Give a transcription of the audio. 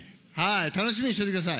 楽しみにしといてください。